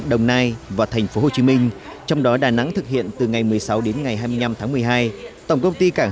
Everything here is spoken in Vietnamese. đồng nai và tp hcm trong đó đà nẵng thực hiện từ ngày một mươi sáu đến ngày hai mươi năm tháng một mươi hai tổng công ty cảng